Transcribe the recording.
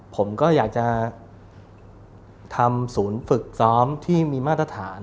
ผมก็อยากจะทำศูนย์ฝึกซ้อมที่มีมาตรฐาน